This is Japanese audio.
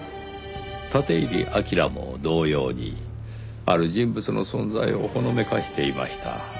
立入章も同様にある人物の存在をほのめかしていました。